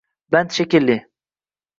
Band shekilli.